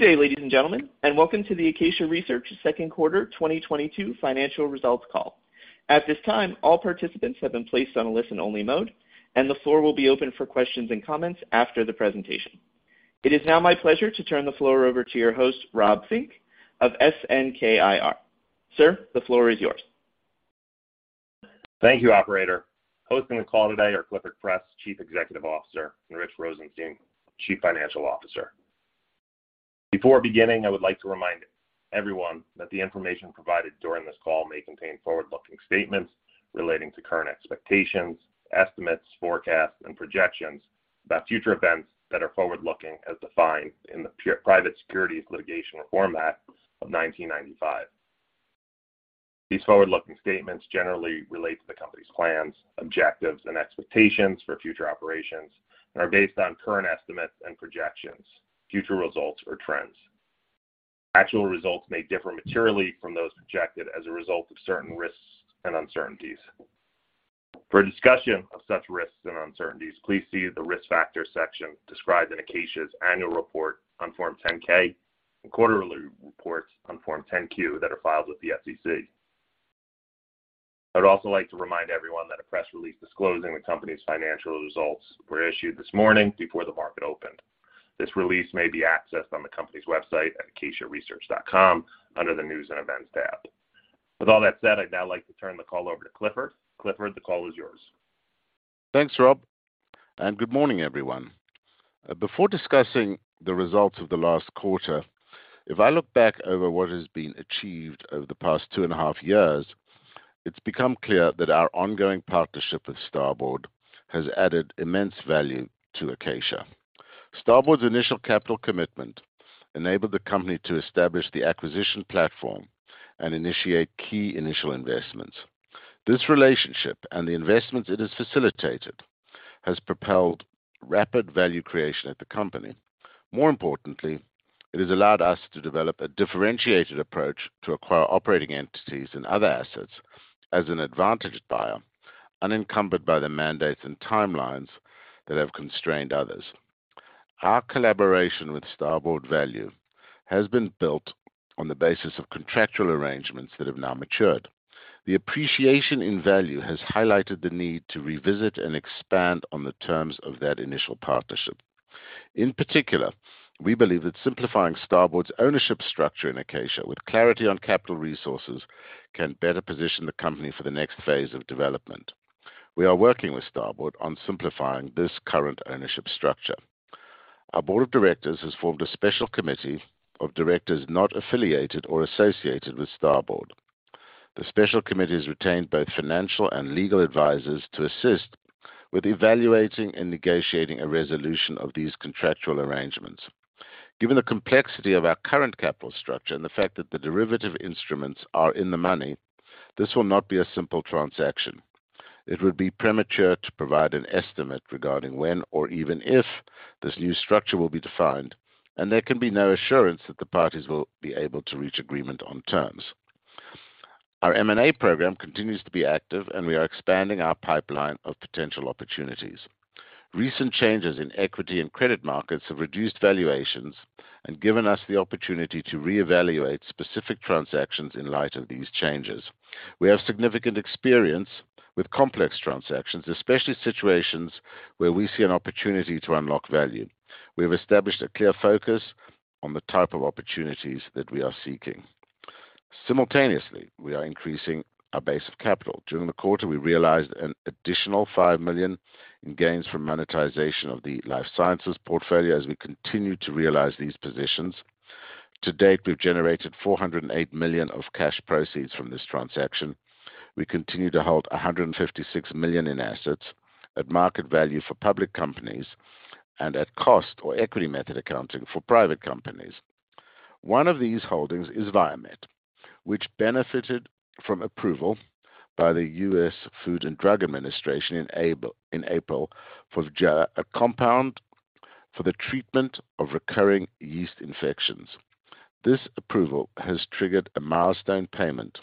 Good day, ladies and gentlemen, and welcome to the Acacia Research second quarter 2022 financial results call. At this time, all participants have been placed on a listen-only mode, and the floor will be open for questions and comments after the presentation. It is now my pleasure to turn the floor over to your host, Rob Fink of SNKIR. Sir, the floor is yours. Thank you, operator. Hosting the call today are Clifford Press, Chief Executive Officer, and Rich Rosenstein, Chief Financial Officer. Before beginning, I would like to remind everyone that the information provided during this call may contain forward-looking statements relating to current expectations, estimates, forecasts, and projections about future events that are forward-looking as defined in the Private Securities Litigation Reform Act of 1995. These forward-looking statements generally relate to the company's plans, objectives, and expectations for future operations and are based on current estimates and projections, future results or trends. Actual results may differ materially from those projected as a result of certain risks and uncertainties. For a discussion of such risks and uncertainties, please see the Risk Factors section described in Acacia's Annual Report on Form 10-K and quarterly reports on Form 10-Q that are filed with the SEC. I would also like to remind everyone that a press release disclosing the company's financial results was issued this morning before the market opened. This release may be accessed on the company's website at acaciaresearch.com under the News & Events tab. With all that said, I'd now like to turn the call over to Clifford. Clifford, the call is yours. Thanks, Rob, and good morning, everyone. Before discussing the results of the last quarter, if I look back over what has been achieved over the past two and a half years, it's become clear that our ongoing partnership with Starboard has added immense value to Acacia. Starboard's initial capital commitment enabled the company to establish the acquisition platform and initiate key initial investments. This relationship and the investments it has facilitated has propelled rapid value creation at the company. More importantly, it has allowed us to develop a differentiated approach to acquire operating entities and other assets as an advantaged buyer, unencumbered by the mandates and timelines that have constrained others. Our collaboration with Starboard Value has been built on the basis of contractual arrangements that have now matured. The appreciation in value has highlighted the need to revisit and expand on the terms of that initial partnership. In particular, we believe that simplifying Starboard's ownership structure in Acacia with clarity on capital resources can better position the company for the next phase of development. We are working with Starboard on simplifying this current ownership structure. Our board of directors has formed a special committee of directors not affiliated or associated with Starboard. The special committee has retained both financial and legal advisors to assist with evaluating and negotiating a resolution of these contractual arrangements. Given the complexity of our current capital structure and the fact that the derivative instruments are in the money, this will not be a simple transaction. It would be premature to provide an estimate regarding when or even if this new structure will be defined, and there can be no assurance that the parties will be able to reach agreement on terms. Our M&A program continues to be active, and we are expanding our pipeline of potential opportunities. Recent changes in equity and credit markets have reduced valuations and given us the opportunity to reevaluate specific transactions in light of these changes. We have significant experience with complex transactions, especially situations where we see an opportunity to unlock value. We have established a clear focus on the type of opportunities that we are seeking. Simultaneously, we are increasing our base of capital. During the quarter, we realized an additional $5 million in gains from monetization of the life sciences portfolio as we continue to realize these positions. To date, we've generated $408 million of cash proceeds from this transaction. We continue to hold $156 million in assets at market value for public companies and at cost or equity method accounting for private companies. One of these holdings is Viamed, which benefited from approval by the U.S. Food and Drug Administration in April for a compound for the treatment of recurring yeast infections. This approval has triggered a milestone payment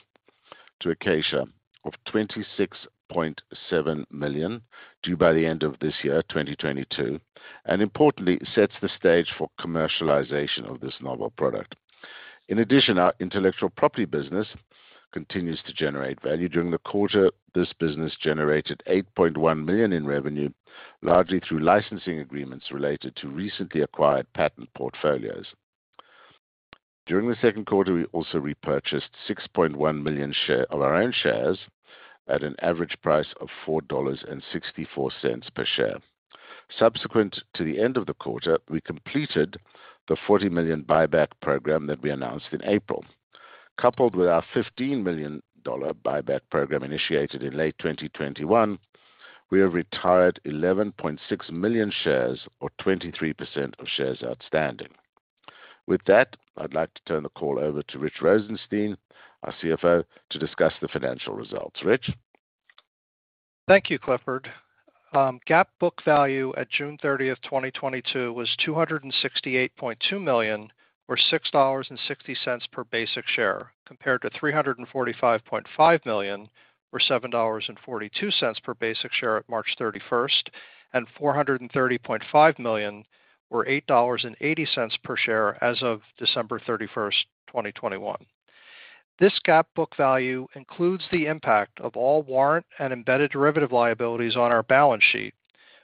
to Acacia of $26.7 million due by the end of this year, 2022, and importantly, sets the stage for commercialization of this novel product. In addition, our intellectual property business continues to generate value. During the quarter, this business generated $8.1 million in revenue, largely through licensing agreements related to recently acquired patent portfolios. During the second quarter, we also repurchased 6.1 million of our own shares at an average price of $4.64 per share. Subsequent to the end of the quarter, we completed the $40 million buyback program that we announced in April. Coupled with our $15 million buyback program initiated in late 2021, we have retired 11.6 million shares or 23% of shares outstanding. With that, I'd like to turn the call over to Richard Rosenstein, our CFO, to discuss the financial results. Rich. Thank you, Clifford. GAAP book value at June 30, 2022 was $268.2 million, or $6.60 per basic share, compared to $345.5 million or $7.42 per basic share at March 31, 2022 and $430.5 million or $8.80 per share as of December 31, 2021. This GAAP book value includes the impact of all warrant and embedded derivative liabilities on our balance sheet,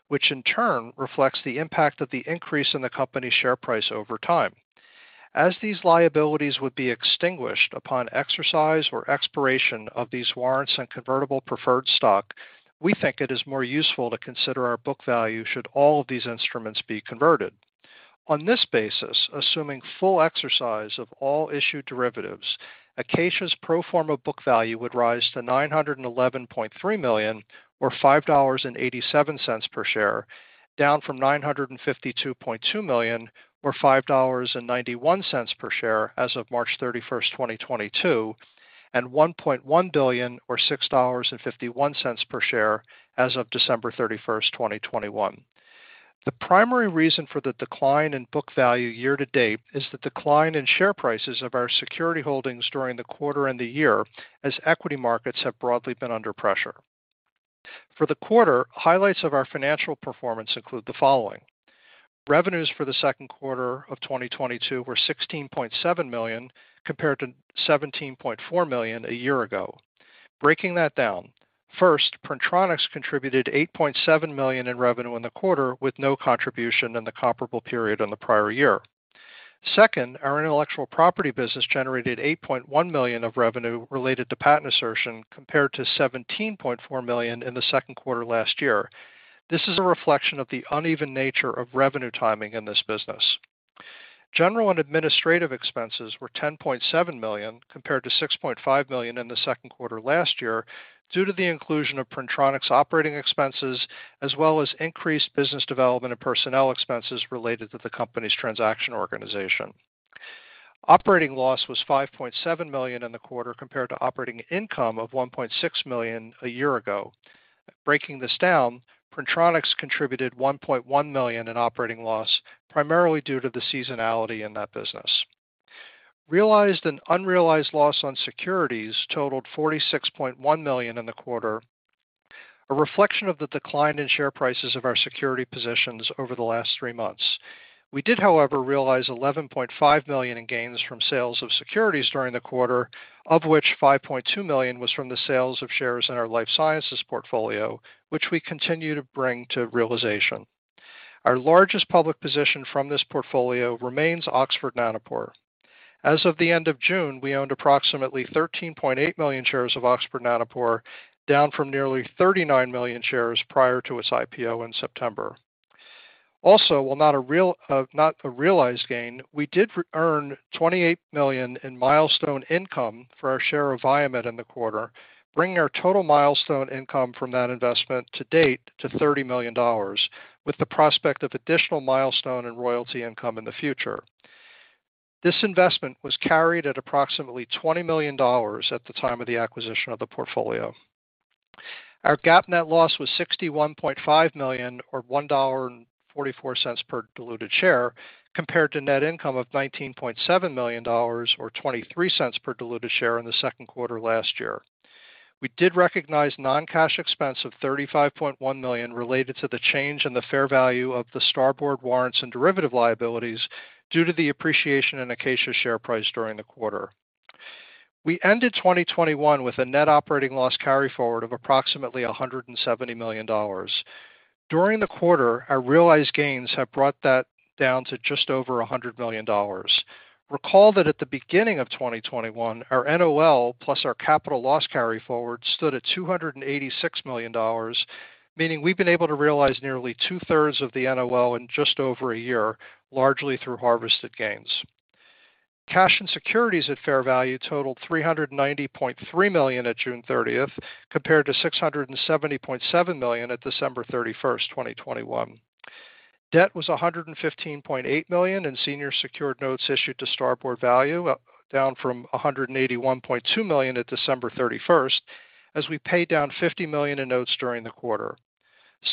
which in turn reflects the impact of the increase in the company's share price over time. As these liabilities would be extinguished upon exercise or expiration of these warrants and convertible preferred stock, we think it is more useful to consider our book value should all of these instruments be converted. On this basis, assuming full exercise of all issued derivatives, Acacia's pro forma book value would rise to $911.3 million or $5.87 per share, down from $952.2 million or $5.91 per share as of March 31, 2022, and $1.1 billion or $6.51 per share as of December 31, 2021. The primary reason for the decline in book value year to date is the decline in share prices of our security holdings during the quarter and the year as equity markets have broadly been under pressure. For the quarter, highlights of our financial performance include the following. Revenues for the second quarter of 2022 were $16.7 million, compared to $17.4 million a year ago. Breaking that down, first, Printronix contributed $8.7 million in revenue in the quarter, with no contribution in the comparable period in the prior year. Second, our intellectual property business generated $8.1 million of revenue related to patent assertion, compared to $17.4 million in the second quarter last year. This is a reflection of the uneven nature of revenue timing in this business. General and administrative expenses were $10.7 million, compared to $6.5 million in the second quarter last year, due to the inclusion of Printronix operating expenses, as well as increased business development and personnel expenses related to the company's transaction organization. Operating loss was $5.7 million in the quarter, compared to operating income of $1.6 million a year ago. Breaking this down, Printronix contributed $1.1 million in operating loss, primarily due to the seasonality in that business. Realized and unrealized loss on securities totaled $46.1 million in the quarter, a reflection of the decline in share prices of our security positions over the last three months. We did, however, realize $11.5 million in gains from sales of securities during the quarter, of which $5.2 million was from the sales of shares in our life sciences portfolio, which we continue to bring to realization. Our largest public position from this portfolio remains Oxford Nanopore. As of the end of June, we owned approximately 13.8 million shares of Oxford Nanopore, down from nearly 39 million shares prior to its IPO in September. Also, while not a realized gain, we did earn $28 million in milestone income for our share of Viamed in the quarter, bringing our total milestone income from that investment to date to $30 million, with the prospect of additional milestone and royalty income in the future. This investment was carried at approximately $20 million at the time of the acquisition of the portfolio. Our GAAP net loss was $61.5 million or $1.44 per diluted share, compared to net income of $19.7 million or $0.23 per diluted share in the second quarter last year. We did recognize non-cash expense of $35.1 million related to the change in the fair value of the Starboard warrants and derivative liabilities due to the appreciation in Acacia's share price during the quarter. We ended 2021 with a net operating loss carryforward of approximately $170 million. During the quarter, our realized gains have brought that down to just over $100 million. Recall that at the beginning of 2021, our NOL, plus our capital loss carryforward stood at $286 million, meaning we've been able to realize nearly two-thirds of the NOL in just over a year, largely through harvested gains. Cash and securities at fair value totaled $390.3 million at June 30, compared to $670.7 million at December 31, 2021. Debt was $115.8 million in senior secured notes issued to Starboard Value, down from $181.2 million at December 31, as we paid down $50 million in notes during the quarter.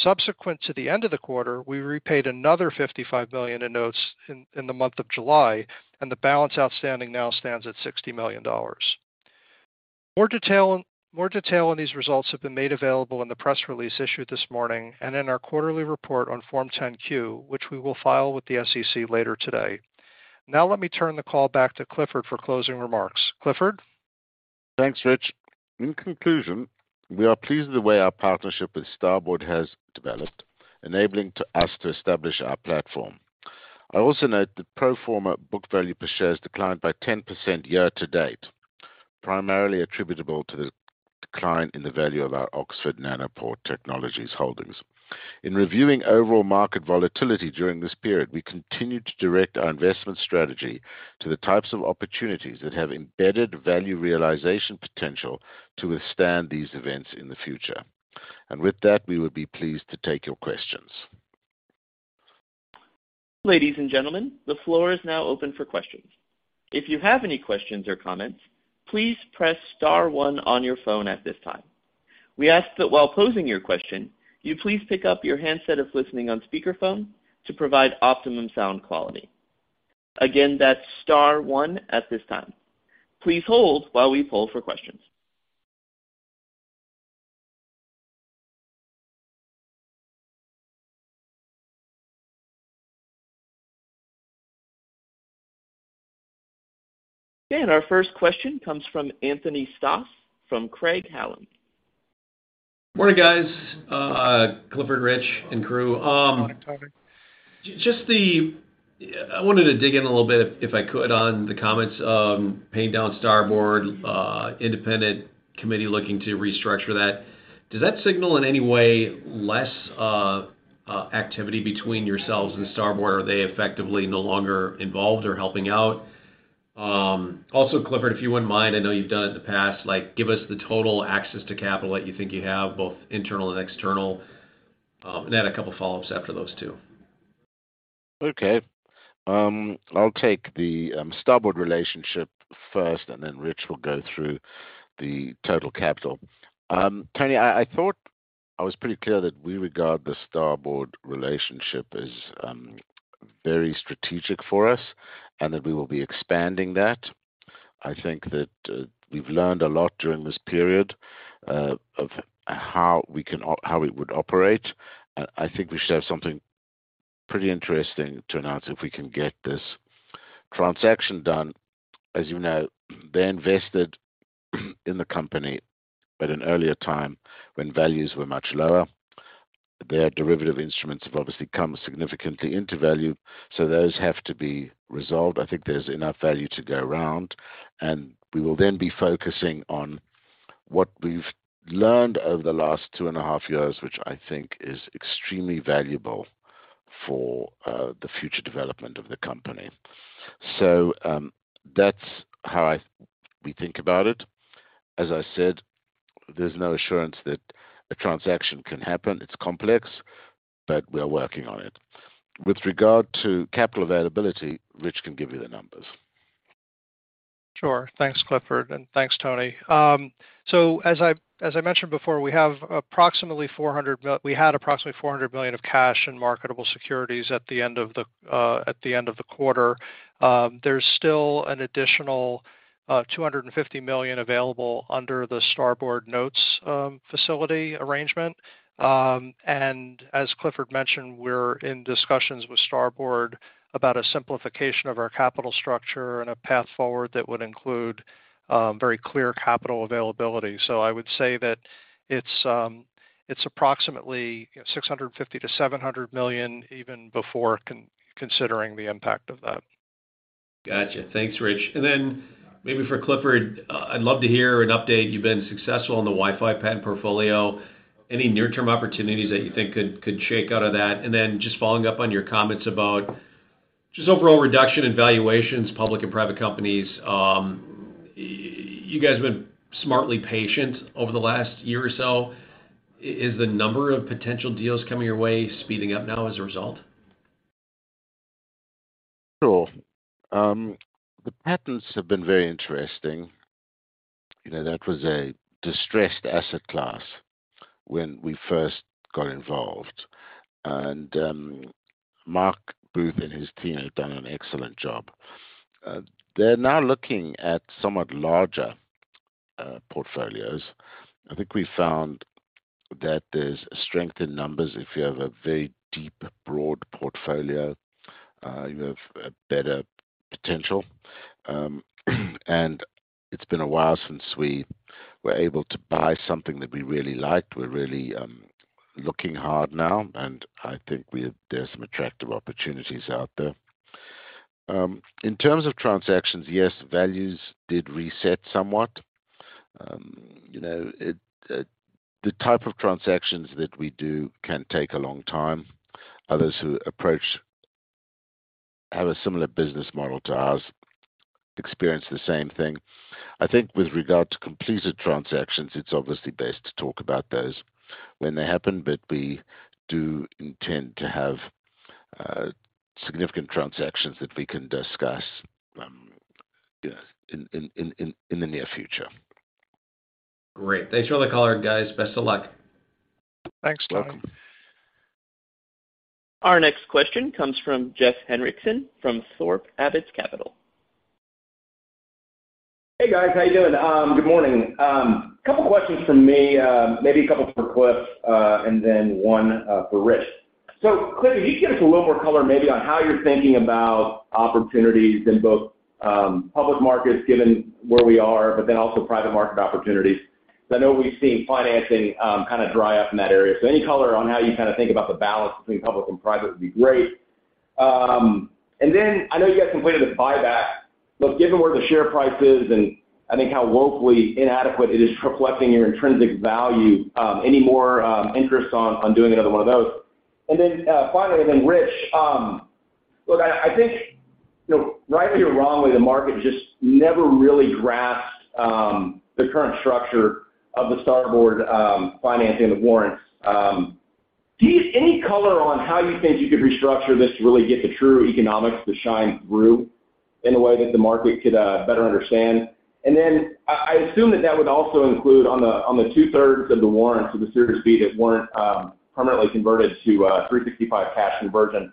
Subsequent to the end of the quarter, we repaid another $55 million in notes in the month of July, and the balance outstanding now stands at $60 million. More detail on these results have been made available in the press release issued this morning and in our quarterly report on Form 10-Q, which we will file with the SEC later today. Now let me turn the call back to Clifford for closing remarks. Clifford? Thanks, Rich. In conclusion, we are pleased with the way our partnership with Starboard has developed, enabling to us to establish our platform. I also note that pro forma book value per share has declined by 10% year to date, primarily attributable to the decline in the value of our Oxford Nanopore Technologies holdings. In reviewing overall market volatility during this period, we continued to direct our investment strategy to the types of opportunities that have embedded value realization potential to withstand these events in the future. With that, we would be pleased to take your questions. Ladies and gentlemen, the floor is now open for questions. If you have any questions or comments, please press star one on your phone at this time. We ask that while posing your question, you please pick up your handset if listening on speakerphone to provide optimum sound quality. Again, that's star one at this time. Please hold while we poll for questions. Our first question comes from Anthony Stoss from Craig-Hallum. Morning, guys. Clifford, Rich, and crew. I wanted to dig in a little bit, if I could, on the comments of paying down Starboard Value, independent committee looking to restructure that. Does that signal in any way less activity between yourselves and Starboard Value? Are they effectively no longer involved or helping out? Also, Clifford, if you wouldn't mind, I know you've done it in the past, like give us the total access to capital that you think you have, both internal and external, and then a couple of follow-ups after those two. Okay. I'll take the Starboard relationship first, and then Rich will go through the total capital. Anthony, I thought I was pretty clear that we regard the Starboard relationship as very strategic for us and that we will be expanding that. I think that we've learned a lot during this period of how it would operate. I think we should have something pretty interesting to announce if we can get this transaction done. As you know, they invested in the company at an earlier time when values were much lower. Their derivative instruments have obviously come significantly into value, so those have to be resolved. I think there's enough value to go around. We will then be focusing on what we've learned over the last two and a half years, which I think is extremely valuable for the future development of the company. That's how we think about it. As I said, there's no assurance that a transaction can happen. It's complex, but we are working on it. With regard to capital availability, Rich can give you the numbers. Sure. Thanks, Clifford, and thanks, Tony. As I mentioned before, we had approximately $400 million of cash in marketable securities at the end of the quarter. There's still an additional $250 million available under the Starboard notes facility arrangement. As Clifford mentioned, we're in discussions with Starboard about a simplification of our capital structure and a path forward that would include very clear capital availability. I would say that it's approximately $650 million-$700 million, even before considering the impact of that. Got you. Thanks, Rich. Then maybe for Clifford, I'd love to hear an update. You've been successful in the Wi-Fi patent portfolio. Any near-term opportunities that you think could shake out of that? Then just following up on your comments about just overall reduction in valuations, public and private companies. You guys have been smartly patient over the last year or so. Is the number of potential deals coming your way speeding up now as a result? Sure. The patents have been very interesting. That was a distressed asset class when we first got involved. Marc Booth and his team have done an excellent job. They're now looking at somewhat larger portfolios. I think we found that there's strength in numbers. If you have a very deep, broad portfolio, you have a better potential. It's been a while since we were able to buy something that we really liked. We're really looking hard now, and I think there's some attractive opportunities out there. In terms of transactions, yes, values did reset somewhat. The type of transactions that we do can take a long time. Others who approach have a similar business model to ours, experience the same thing. I think with regard to completed transactions, it's obviously best to talk about those when they happen, but we do intend to have significant transactions that we can discuss in the near future. Great. Thanks for the color, guys. Best of luck. Thanks, Tony. Our next question comes from Jeff Henriksen from Thorpe Abbott Capital. Hey, guys. How you doing? Good morning. Couple of questions from me, maybe a couple for Cliff, and then one for Rich. Cliff, can you give us a little more color maybe on how you're thinking about opportunities in both public markets, given where we are, but then also private market opportunities? I know we've seen financing kinda dry up in that area. Any color on how you kinda think about the balance between public and private would be great. And then I know you guys completed a buyback. Given where the share price is and I think how woefully inadequate it is reflecting your intrinsic value, any more interest on doing another one of those? Finally, Rich, look, I think you know, rightly or wrongly, the market just never really grasped the current structure of the Starboard Value financing the warrants. Do you have any color on how you think you could restructure this to really get the true economics to shine through in a way that the market could better understand? I assume that that would also include on the two-thirds of the warrants for the Series B that weren't permanently converted to $3.65 cash exercise.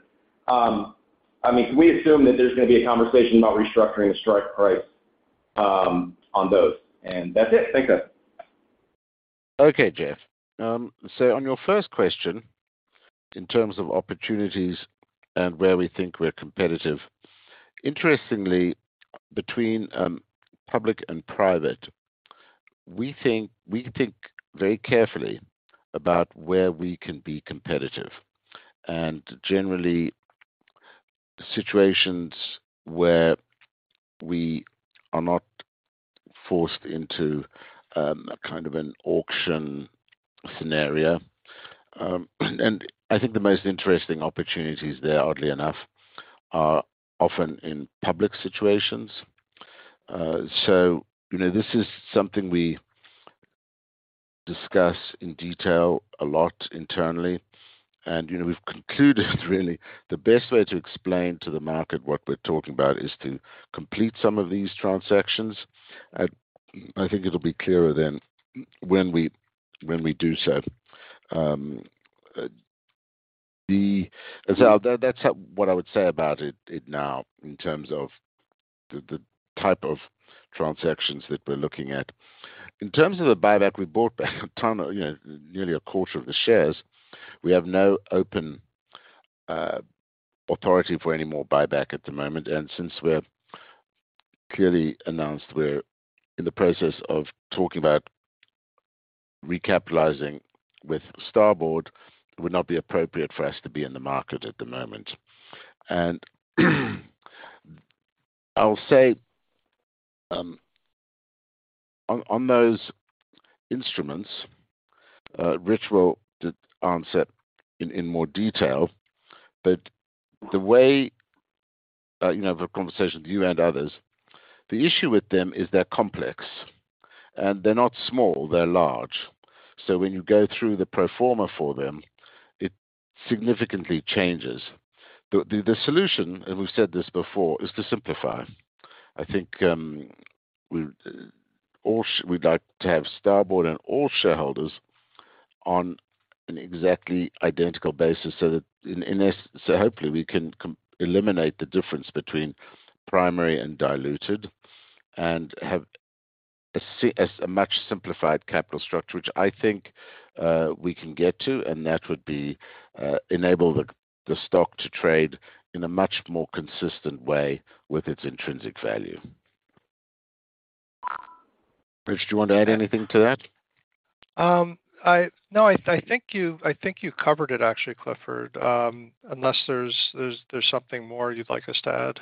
I mean, can we assume that there's gonna be a conversation about restructuring the strike price on those? That's it. Thanks, guys. Okay, Jeff. On your first question, in terms of opportunities and where we think we're competitive. Interestingly, between public and private, we think very carefully about where we can be competitive. Generally, situations where we are not forced into a kind of an auction scenario. I think the most interesting opportunities there, oddly enough, are often in public situations. This is something we discuss in detail a lot internally. We've concluded really the best way to explain to the market what we're talking about is to complete some of these transactions. I think it'll be clearer then when we do so. That's what I would say about it. Now, in terms of the type of transactions that we're looking at. In terms of the buyback, we bought back a ton, you know, nearly a quarter of the shares. We have no open authority for any more buyback at the moment. Since we're clearly announced we're in the process of talking about recapitalizing with Starboard, it would not be appropriate for us to be in the market at the moment. I'll say on those instruments, Rich will answer in more detail. The way the conversation with you and others, the issue with them is they're complex. They're not small, they're large. When you go through the pro forma for them, it significantly changes. The solution, and we've said this before, is to simplify. I think we'd like to have Starboard and all shareholders on an exactly identical basis so that in this. Hopefully we can eliminate the difference between primary and diluted and have a much simplified capital structure, which I think we can get to, and that would enable the stock to trade in a much more consistent way with its intrinsic value. Rich, do you want to add anything to that? No, I think you covered it actually, Clifford. Unless there's something more you'd like us to add.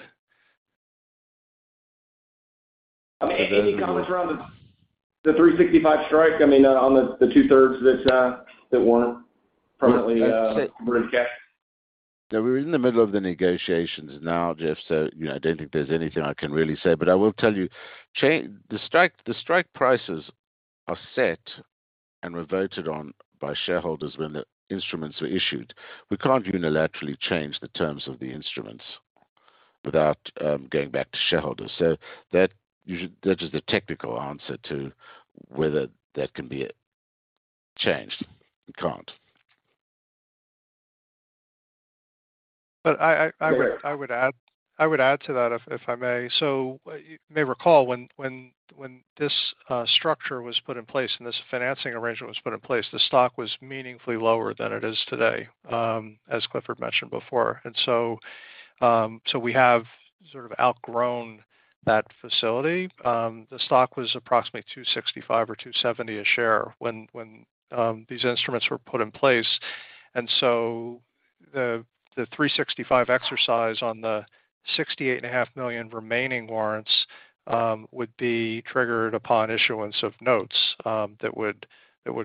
Any comments around the $3.65 strike? I mean, on the two-thirds that weren't permanently converted to cash. Yeah. We're in the middle of the negotiations now, Jeff, so you know, I don't think there's anything I can really say. I will tell you, the strike prices are set and voted on by shareholders when the instruments are issued. We can't unilaterally change the terms of the instruments without going back to shareholders. That is the technical answer to whether that can be changed. It can't. But I, I, I would- Fair. I would add to that, if I may. You may recall when this structure was put in place and this financing arrangement was put in place, the stock was meaningfully lower than it is today, as Clifford mentioned before. We have sort of outgrown that facility. The stock was approximately 2.65 or 2.70 a share when these instruments were put in place. The 3.65 exercise on the 68.5 million remaining warrants would be triggered upon issuance of notes that would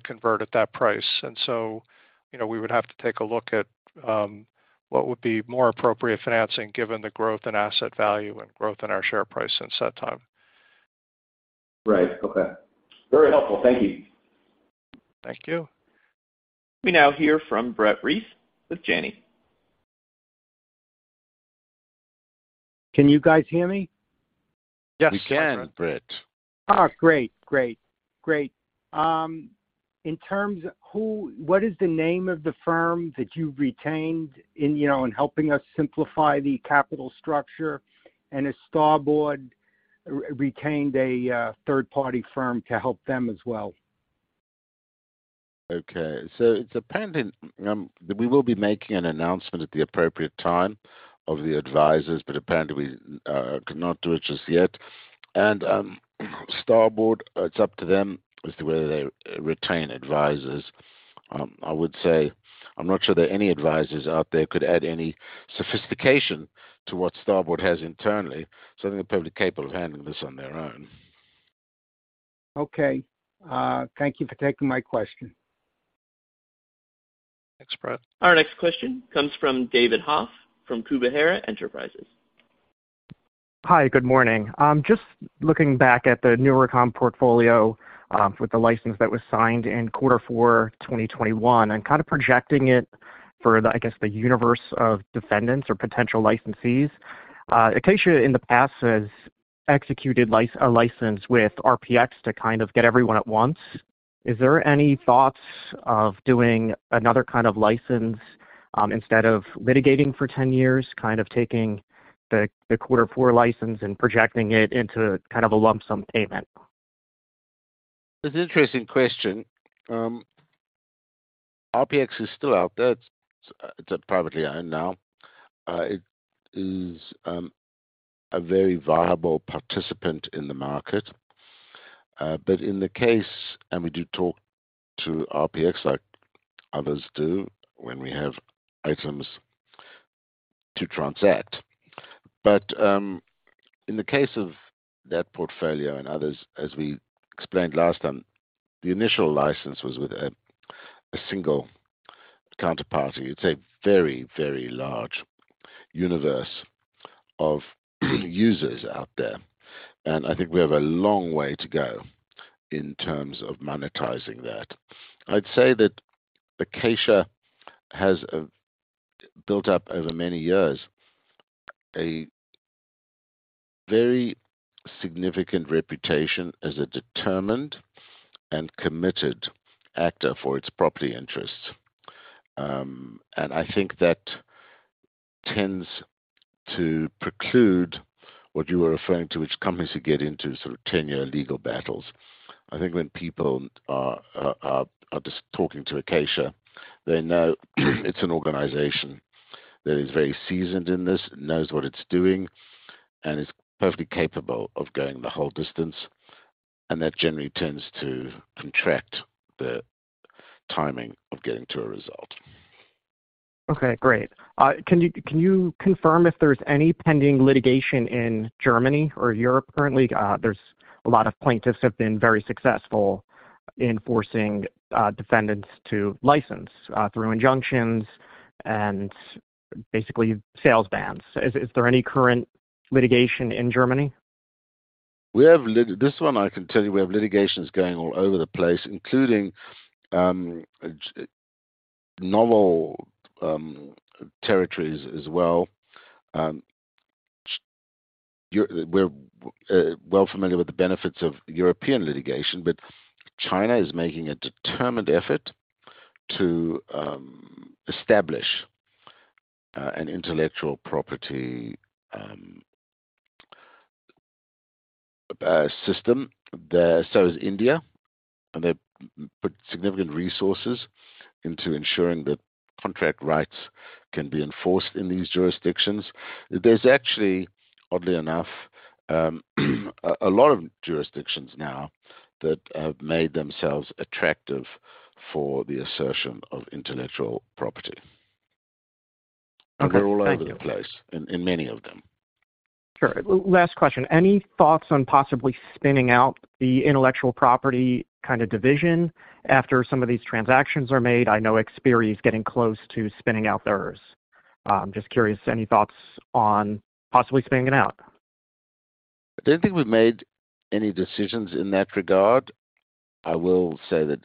convert at that price. We would have to take a look at what would be more appropriate financing given the growth in asset value and growth in our share price since that time. Right. Okay. Very helpful. Thank you. Thank you. We now hear from Brett Reiss with Janney. Can you guys hear me? We can, Brett. What is the name of the firm that you've retained in, you know, in helping us simplify the capital structure? Has Starboard retained a third-party firm to help them as well? Okay. We will be making an announcement at the appropriate time of the advisors, but apparently we cannot do it just yet. Starboard, it's up to them as to whether they retain advisors. I would say I'm not sure that any advisors out there could add any sophistication to what Starboard has internally, so I think they're perfectly capable of handling this on their own. Okay. Thank you for taking my question. Thanks, Brett. Our next question comes from David Hoff, from Kubhera Enterprises. Hi. Good morning. I'm just looking back at the NewReCom portfolio, with the license that was signed in quarter four 2021 and kind of projecting it for the, I guess, the universe of defendants or potential licensees. Acacia in the past has executed a license with RPX to kind of get everyone at once. Is there any thoughts of doing another kind of license, instead of litigating for 10 years, kind of taking the quarter four license and projecting it into kind of a lump sum payment. It's an interesting question. RPX is still out there. It's privately owned now. It is a very viable participant in the market. In the case and we do talk to RPX like others do when we have items to transact. In the case of that portfolio and others, as we explained last time, the initial license was with a single counterparty. It's a very, very large universe of users out there, and I think we have a long way to go in terms of monetizing that. I'd say that Acacia has built up over many years a very significant reputation as a determined and committed actor for its property interests. I think that tends to preclude what you were referring to, which companies who get into sort of ten-year legal battles. I think when people are just talking to Acacia, they know it's an organization that is very seasoned in this and knows what it's doing and is perfectly capable of going the whole distance. That generally tends to contract the timing of getting to a result. Okay, great. Can you confirm if there's any pending litigation in Germany or Europe currently? There's a lot of plaintiffs have been very successful in forcing defendants to license through injunctions and basically sales bans. Is there any current litigation in Germany? This one I can tell you. We have litigations going all over the place, including novel territories as well. We're well familiar with the benefits of European litigation, but China is making a determined effort to establish an intellectual property system there. So is India, and they put significant resources into ensuring that contract rights can be enforced in these jurisdictions. There's actually, oddly enough, a lot of jurisdictions now that have made themselves attractive for the assertion of intellectual property. Okay. Thank you. They're all over the place in many of them. Sure. Last question. Any thoughts on possibly spinning out the intellectual property kinda division after some of these transactions are made? I know Xperi is getting close to spinning out theirs. Just curious, any thoughts on possibly spinning out? I don't think we've made any decisions in that regard. I will say that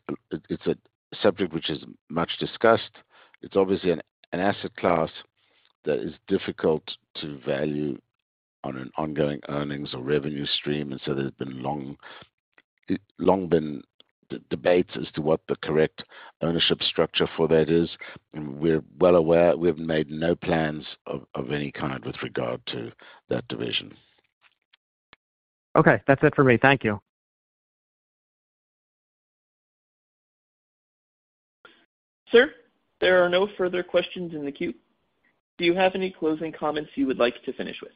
it's a subject which is much discussed. It's obviously an asset class that is difficult to value on an ongoing earnings or revenue stream, and so there's been long been debates as to what the correct ownership structure for that is. We're well aware. We've made no plans of any kind with regard to that division. Okay. That's it for me. Thank you. Sir, there are no further questions in the queue. Do you have any closing comments you would like to finish with?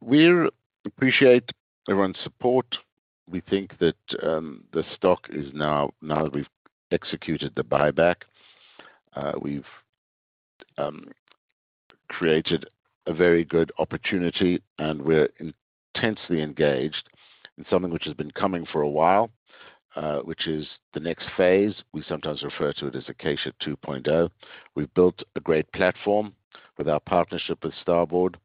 We appreciate everyone's support. We think that the stock is now that we've executed the buyback, we've created a very good opportunity, and we're intensely engaged in something which has been coming for a while, which is the next phase. We sometimes refer to it as Acacia 2.0. We've built a great platform with our partnership with Starboard,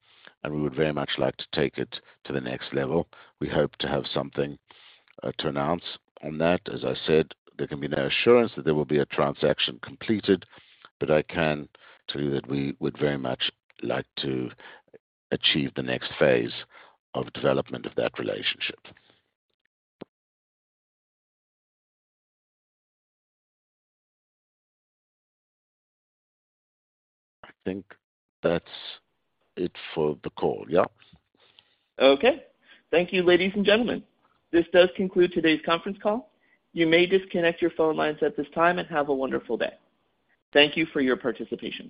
and we would very much like to take it to the next level. We hope to have something to announce on that. As I said, there can be no assurance that there will be a transaction completed. I can tell you that we would very much like to achieve the next phase of development of that relationship. I think that's it for the call. Yeah. Okay. Thank you, ladies and gentlemen. This does conclude today's conference call. You may disconnect your phone lines at this time and have a wonderful day. Thank you for your participation.